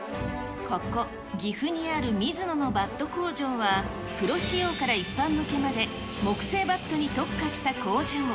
ここ、岐阜にあるミズノのバット工場は、プロ仕様から一般向けまで、木製バットに特化した工場。